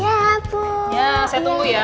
iya saya tunggu ya